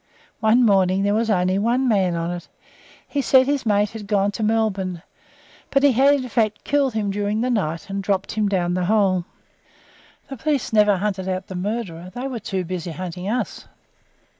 One morning there was only one man on it; he said his mate had gone to Melbourne, but he had in fact killed him during the night, and dropped him down the hole. The police never hunted out that murderer; they were too busy hunting us.